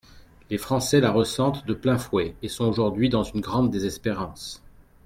Les Français la ressentent de plein fouet et sont aujourd’hui dans une grande désespérance.